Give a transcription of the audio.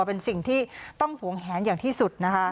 เป็นสิ่งที่ต้องหวงแหนอย่างที่สุดนะคะ